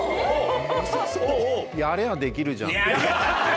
やりゃあできるじゃん。